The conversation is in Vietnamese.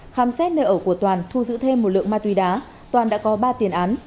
khám xét nơi ở của toàn thu giữ thêm một lượng ma túy đá toàn đã có ba tiền án